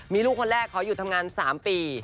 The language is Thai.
มีลูกคนแรกขอหยุดทำงาน๓ปี